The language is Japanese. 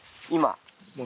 今。